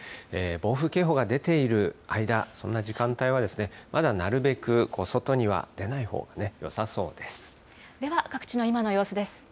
暴風警報が出ている間そんな時間帯はまだなるべく、外には出ないほうがよさそうです。